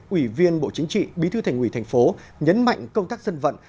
ủy viên bộ chính trị bí thư thành ủy thành phố nhấn mạnh công tác dân vận